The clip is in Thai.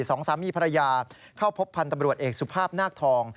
สองสามีภรรยาเข้าพบพันธุ์ตำรวจเอกสุภาพนาคทอง